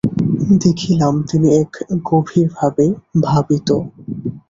দেখিলাম, তিনি এক গভীরভাবে ভাবিত।